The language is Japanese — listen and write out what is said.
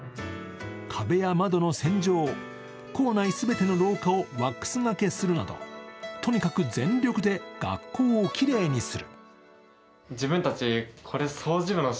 壁や窓の洗浄、校内すべての廊下をワックスがけするなどとにかく全力で学校をきれいにする。